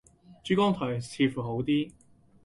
珠江台似乎好啲